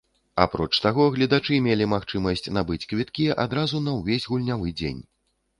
Апроч таго гледачы мелі магчымасць набыць квіткі адразу на ўвесь гульнявы дзень.